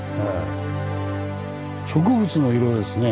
植物の色ですね。